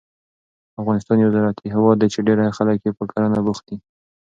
افغانستان یو زراعتي هېواد دی چې ډېری خلک یې په کرنه بوخت دي.